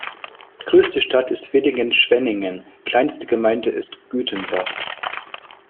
Größte Stadt ist Villingen-Schwenningen, kleinste Gemeinde ist Gütenbach.